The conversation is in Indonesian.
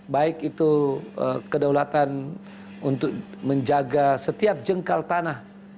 baik itu kedaulatan untuk menjaga setiap jengkal tanah